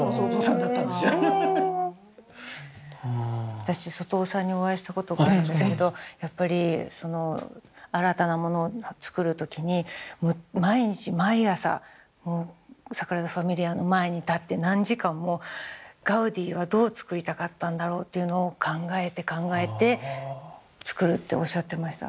私外尾さんにお会いしたことがあるんですけどやっぱりその新たなものを造る時にもう毎日毎朝サグラダ・ファミリアの前に立って何時間もガウディはどう造りたかったんだろうっていうのを考えて考えて造るっておっしゃってました。